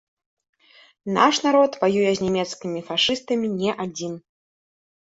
Наш народ ваюе з нямецкімі фашыстамі не адзін.